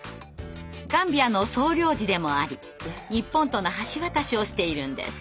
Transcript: ガンビアの総領事でもあり日本との橋渡しをしているんです。